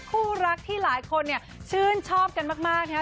คู่รักที่หลายคนเนี่ยชื่นชอบกันมากนะครับ